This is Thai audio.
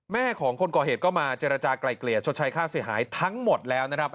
แม่ของคนก่อเหตุก็มาเจรจากลายเกลี่ยชดใช้ค่าเสียหายทั้งหมดแล้วนะครับ